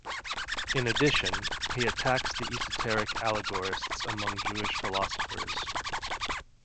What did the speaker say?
In addition, he attacks the esoteric allegorists among Jewish philosophers.